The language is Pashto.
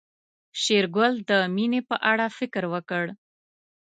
شېرګل د مينې په اړه فکر وکړ.